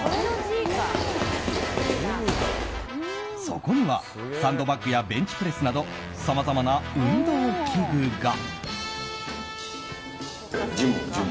そこにはサンドバッグやベンチプレスなどさまざまな運動器具が。